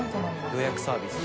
予約サービス。